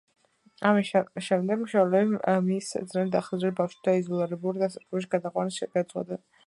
ამის შემდეგ მშობლები მის ძნელად აღსაზრდელ ბავშვთა იზოლირებულ დაწესებულებაში გადაყვანას გადაწყვეტენ.